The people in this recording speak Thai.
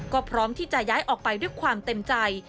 ก็พร้อมที่จะย้ายออกไปด้วยความเต็มใจ